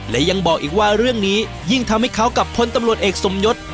และยังบอกอีกว่าเรื่องนี้ยิ่งทำให้เขากับพลตำรวจเอกสมยศ